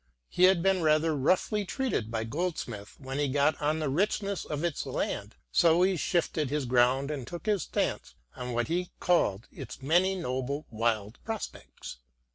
He had been rather roughly treated by Goldsmith when he got on the richness of its land, so he shifted his ground and took his stand on what he called its many noble wild prospects.